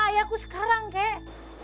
ayahku sekarang kek